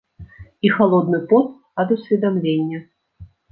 І халодны пот ад усведамлення.